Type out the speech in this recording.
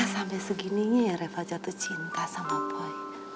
sampai segininya ya reval jatuh cinta sama boy